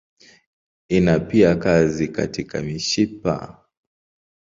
Ina pia kazi katika mishipa.